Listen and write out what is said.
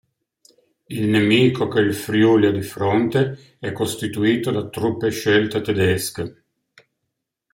Il nemico che il "Friuli" ha di fronte è costituito da truppe scelte tedesche.